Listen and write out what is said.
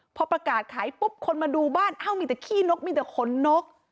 พอประกาศขายปุ๊บคนมาดูบ้านเอ้ามีแต่ขี้นกมีแต่ขนนก